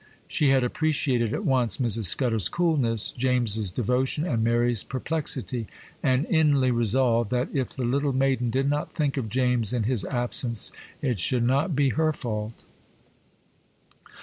She had appreciated at once Mrs. Scudder's coolness, James's devotion, and Mary's perplexity,—and inly resolved, that, if the little maiden did not think of James in his absence, it should not be her fault.